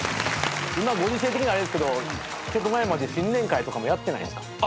今ご時世的にあれですけどちょっと前まで新年会とかもやってないんすか？